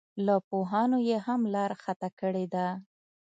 له پوهانو یې هم لار خطا کړې ده.